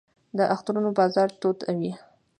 د اخترونو بازار تود وي